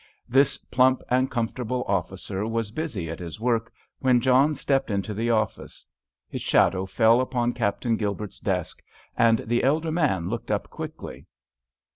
This plump and comfortable officer was busy at his work when John stepped into the office. His shadow fell upon Captain Gilbert's desk, and the elder man looked up quickly.